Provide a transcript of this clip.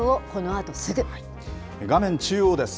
画面中央です。